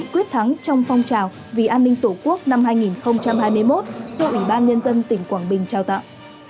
quyết thắng trong phong trào vì an ninh tổ quốc năm hai nghìn hai mươi một do ủy ban nhân dân tỉnh quảng bình trao tặng